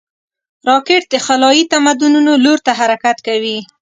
راکټ د خلایي تمدنونو لور ته حرکت کوي